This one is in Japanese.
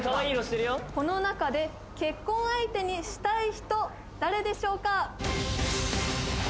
この中で結婚相手にしたい人誰でしょうか？